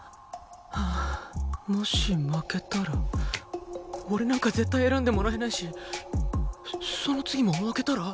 はあもし負けたら俺なんか絶対選んでもらえないしその次も負けたら。